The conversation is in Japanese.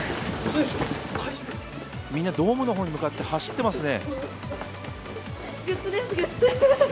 みんなドームの方に向かって走ってますね。